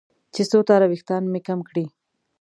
چې څو تاره وېښتان مې کم کړي.